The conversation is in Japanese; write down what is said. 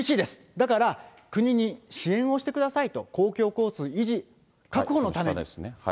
だからもう国に支援してくださいと、公共交通維持確保のために。